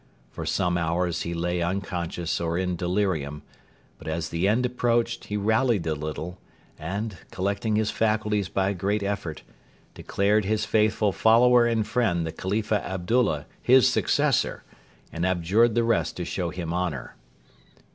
For some hours he lay unconscious or in delirium, but as the end approached he rallied a little, and, collecting his faculties by a great effort, declared his faithful follower and friend the Khalifa Abdullah his successor, and adjured the rest to show him honour.